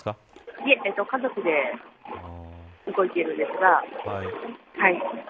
いえ、家族で動いてるんですが。